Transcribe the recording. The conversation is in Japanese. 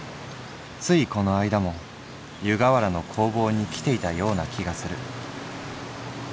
ついこの間も湯河原の工房にきていたような気がする」。